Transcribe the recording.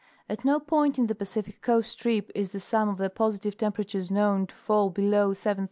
At no point in the Pacific coast strip is the sum of the positive temperatures known to fall below 7,330° C.